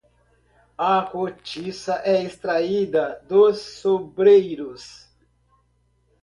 A cortiça é extraída dos sobreiros.